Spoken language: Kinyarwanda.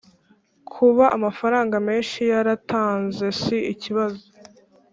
kuba amafaranga menshi yartanze si ikibazo